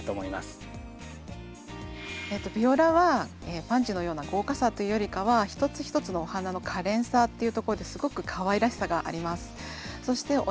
ビオラはパンジーのような豪華さというよりかはっていうところですごくかわいらしさがあります。